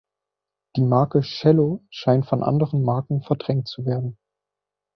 Die Marke chello scheint von anderen Marken verdrängt zu werden.